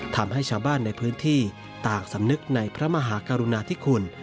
ทำให้ชาวบ้านในพื้นที่ต่างสำนึกในพระมหากรุณาธิคุณ